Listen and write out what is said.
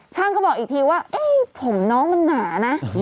ช่างก็บอกอีกทีว่าผมน้องมันหนานะ